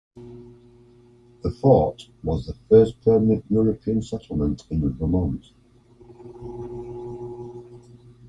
The fort was the first permanent European settlement in Vermont.